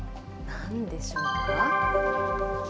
なんでしょうか？